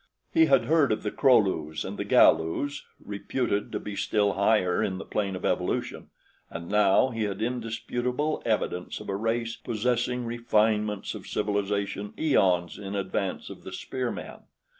He had heard of the Krolus and the Galus reputed to be still higher in the plane of evolution and now he had indisputable evidence of a race possessing refinements of civilization eons in advance of the spear men.